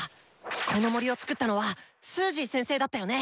この森を創ったのはスージー先生だったよね！